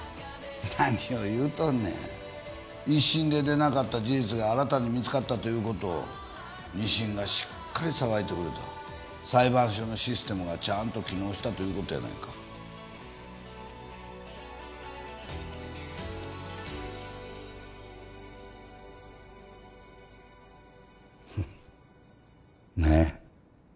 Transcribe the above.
何を言うとんねん一審で出なかった事実が新たに見つかったということを二審がしっかり裁いてくれた裁判所のシステムがちゃんと機能したということやないかフッ何や？